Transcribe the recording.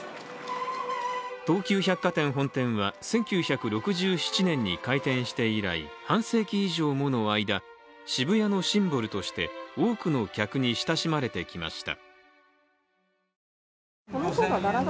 東急百貨店本店は、１９６７年に開店して以来、半世紀以上もの間渋谷のシンボルとして多くの客に親しまれてきました。